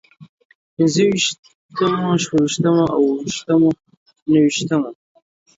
پنځه ويشتمو، شپږ ويشتمو، اووه ويشتمو، نهه ويشتمو